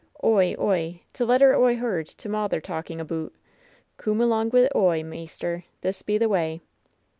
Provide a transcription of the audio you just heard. "Oy, oy! t' letter Oi heerd f mawther talk aboot. Coom along wi' Oi, maimer. This be the way."